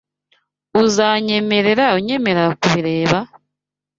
Uzanyemerera unyemerera kubireba?